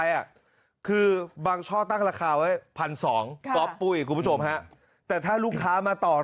หรือว่าหลักพันธุ์น่ะ